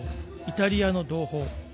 イタリアの同胞。